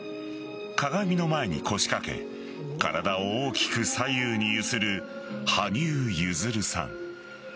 鏡の前に腰かけ体を大きく左右に揺する羽生結弦さん。